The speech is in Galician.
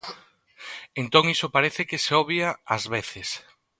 Entón, iso parece que se obvia ás veces.